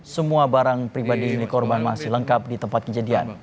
semua barang pribadi milik korban masih lengkap di tempat kejadian